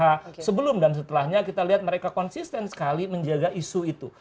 kami di lapangan pada hari h sebelum dan setelahnya kita lihat mereka konsisten sekali menjaga isu itu